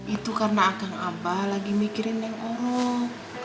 itu karena akang abah lagi mikirin neng orok